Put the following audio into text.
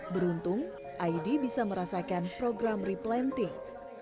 beruntung aidi bisa merasakan program replanting